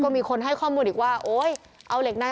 เป็นพระรูปนี้เหมือนเคี้ยวเหมือนกำลังทำปากขมิบท่องกระถาอะไรสักอย่าง